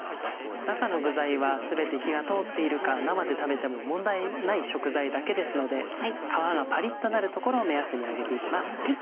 中の具材は全て火が通っているか生で食べても問題ない食材だけですので皮がパリっとなるところを目安に揚げていきます。